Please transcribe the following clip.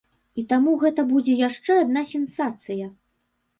І таму гэта будзе яшчэ адна сенсацыя.